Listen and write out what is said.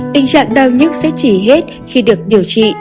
tình trạng đào nhức sẽ chỉ hết khi được điều trị